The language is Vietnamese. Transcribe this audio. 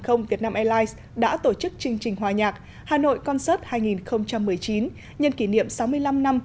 không vietnam airlines đã tổ chức chương trình hòa nhạc hà nội concert hai nghìn một mươi chín nhân kỷ niệm sáu mươi năm năm